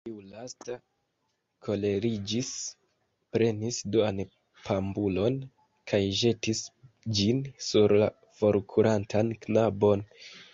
Tiu lasta koleriĝis, prenis duan panbulon kaj ĵetis ĝin sur la forkurantan knabon.